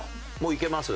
いけます。